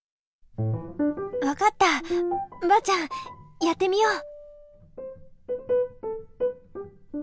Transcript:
「分かった婆ちゃんやってみよう」。